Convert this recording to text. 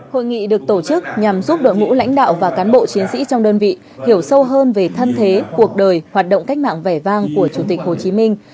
hội nghị được tổ chức nhằm giúp đội ngũ lãnh đạo và cán bộ chiến sĩ trong đơn vị hiểu sâu hơn về thân thế cuộc đời hoạt động cách mạng vẻ vang của chủ tịch hồ chí minh